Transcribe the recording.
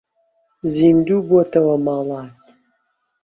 زیندوو بۆتەوە ماڵات